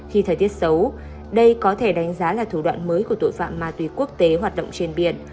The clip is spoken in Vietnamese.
khi thời tiết xấu đây có thể đánh giá là thủ đoạn mới của tội phạm ma túy quốc tế hoạt động trên biển